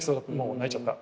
泣いちゃった。